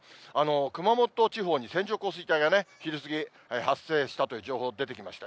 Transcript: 熊本地方に線状降水帯が、昼過ぎ発生したという情報が出てきました。